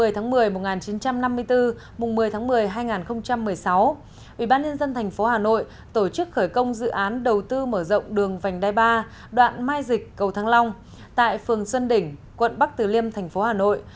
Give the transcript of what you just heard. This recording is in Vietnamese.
một mươi tháng một mươi một nghìn chín trăm năm mươi bốn một mươi tháng một mươi hai nghìn một mươi sáu ubnd tp hà nội tổ chức khởi công dự án đầu tư mở rộng đường vành đai ba đoạn mai dịch cầu thăng long tại phường xuân đỉnh quận bắc từ liêm thành phố hà nội